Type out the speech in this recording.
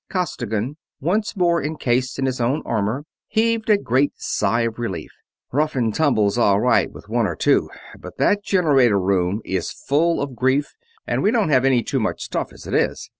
Costigan, once more encased in his own armor, heaved a great sigh of relief. "Rough and tumble's all right with one or two, but that generator room is full of grief, and we won't have any too much stuff as it is.